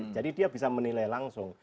jadi dia bisa menilai langsung